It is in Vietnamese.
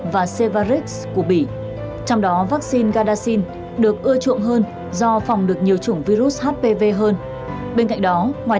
vâng xin cảm ơn bác sĩ với những chia sẻ vừa rồi